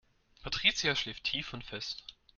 Patricia schläft tief und fest.